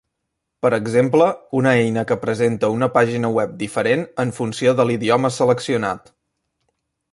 Per exemple, una eina que presenta una pàgina web diferent en funció de l'idioma seleccionat.